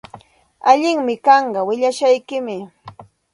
Allinmi kanqa willashqaykim.